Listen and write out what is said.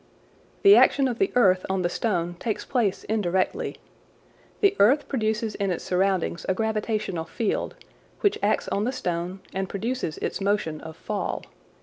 The action of the earth on the stone takes place indirectly. The earth produces in its surrounding a gravitational field, which acts on the stone and produces its motion of fall.